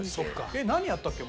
えっ何やったっけ？